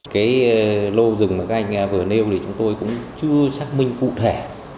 cái lô rừng mà các anh vừa nêu thì chúng tôi cũng chưa xác minh cụ thể